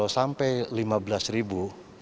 sampai lima belas ribu